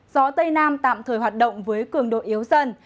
gió tây nam tạm thời hoạt động với cường độ yếu dần